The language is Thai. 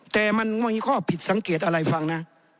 แต่มันไม่มีข้อผิดสังเกตอะไรฟังนะ